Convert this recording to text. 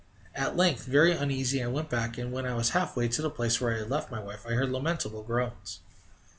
At length, very uneasy, I went back, and, when I was half way to the place where I had left my wife, I heard lamentable groans.